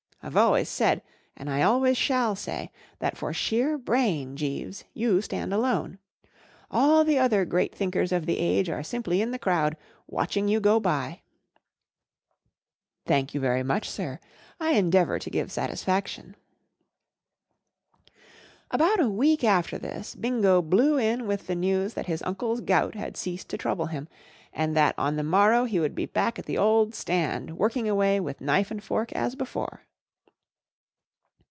I've always said* and I always shall say, that for sheer brain, Jeeves, you stand alone All the other great thinkers of the age are simply in the crowd, watching you go by." " Thank you very much, sir. I endeavour to give satisfaction." BOUT a week after this. Bingo blew in with the news that his uncle's gout had ceased to sfX' 1 trouble him, Pv 1 and that on ""*1 *™ jMLtw the morrow he would be back at the old stand work¬ ing away with knife and fork as before.